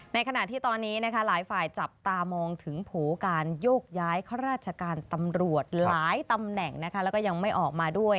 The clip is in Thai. ในขณะที่ตอนนี้หลายฝ่ายจับตามองถึงโผล่การโยกย้ายข้าราชการตำรวจหลายตำแหน่งแล้วก็ยังไม่ออกมาด้วย